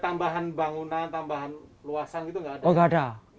oh nggak ada